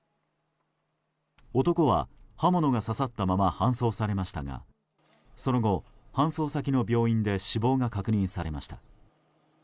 男は刃物が刺さったまま搬送されましたがその後、搬送先の病院で死亡が確認されました。